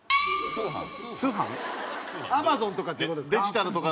Ａｍａｚｏｎとかっていう事ですか？